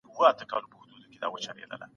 وروسته یې خپل نظر شریکاوه.